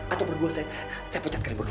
atau buat gue saya pecat kalian berdua